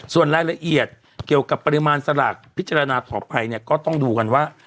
ส่วนรายละเอียดเกี่ยวกับปริมาณสลากพิจารณาต่อไปเนี่ยก็ต้องดูกันว่า